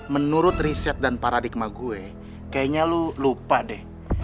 menurut riset dan paradigma gue kayaknya lu lupa deh